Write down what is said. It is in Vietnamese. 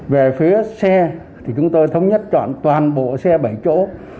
về phía xe thì chúng tôi thống nhất chọn toàn bộ xe bảy chỗ